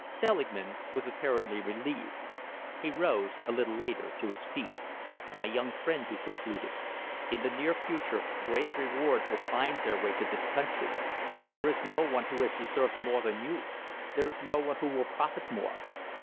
Selingman was apparently relieved. He rose, a little later, to his feet. "My young friend," he concluded, "in the near future great rewards will find their way to this country. There is no one who has deserved more than you. There is no one who will profit more.